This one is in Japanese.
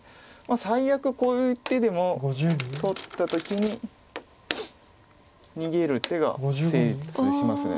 最悪こういう手でも取った時に逃げる手が成立します。